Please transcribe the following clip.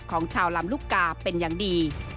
ของชาวลำลูกกาเป็นอย่างดี